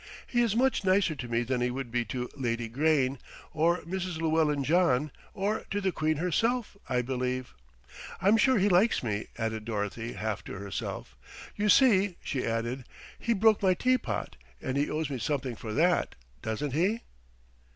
He is much nicer to me than he would be to Lady Grayne, or Mrs. Llewellyn John, or to the Queen herself, I believe. I'm sure he likes me," added Dorothy half to herself. "You see," she added, "he broke my teapot, and he owes me something for that, doesn't he?"